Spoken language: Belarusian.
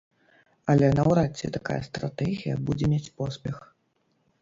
Але наўрад ці такая стратэгія будзе мець поспех.